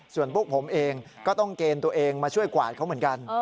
ส่วนพวกผมเองก็ต้องเกณฑ์ตัวเองมาช่วยกวาดเขาเหมือนกัน